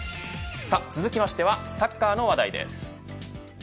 続きましてはサッカーの話題です。